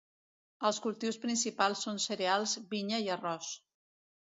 Els cultius principals són cereals, vinya i arròs.